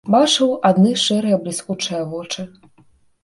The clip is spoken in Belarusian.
Бачыў адны шэрыя бліскучыя вочы.